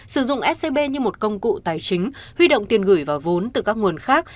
sử dụng scb như một công cụ tài chính huy động tiền gửi và vốn từ các nguồn khác